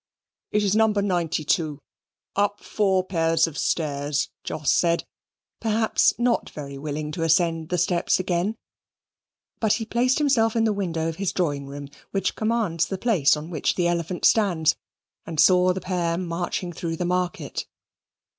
"It is number 92, up four pair of stairs," Jos said, perhaps not very willing to ascend the steps again; but he placed himself in the window of his drawing room, which commands the place on which the Elephant stands, and saw the pair marching through the market.